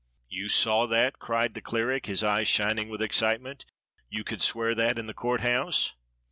"You saw that?" cried the cleric, his eyes shining with excitement. "You could swear that in the Court House?"